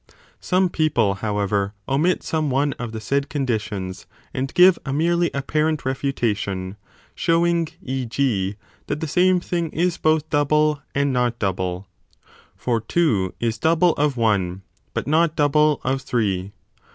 Some people, however, omit some one of the said condi tions and give a merely apparent refutation, showing (e. g.) that the same thing is both double and not double : for two 30 is double of one, but not double of three.